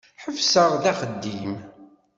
Ḥebseɣ-d axeddim.